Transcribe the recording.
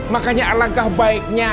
makanya alangkah baiknya